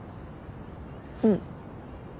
うん。